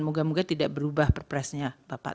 moga moga tidak berubah perpresnya bapak